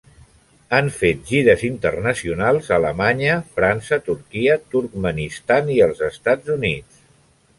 Han fet gires internacionals a Alemanya, França, Turquia, Turkmenistan i els Estats Units.